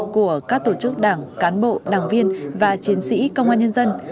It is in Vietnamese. của các tổ chức đảng cán bộ đảng viên và chiến sĩ công an nhân dân